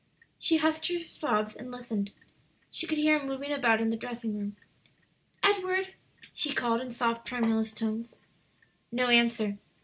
She hushed her sobs and listened. She could hear him moving about in the dressing room. "Edward!" she called in soft, tremulous tones. No answer.